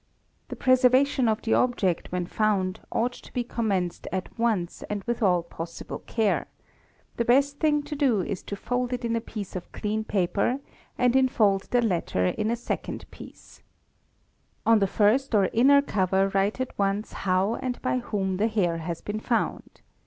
The preservation of the object when found ought to, be commenced at once and with all possible care: the 196 | THE MICROSCOPIST best thing to do is to fold it in a piece of clean paper and enfold the — latter in a second piece. On the first or inner cover write at once how — 7 and by whom the hair has been found.